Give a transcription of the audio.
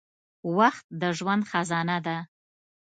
• وخت د ژوند خزانه ده.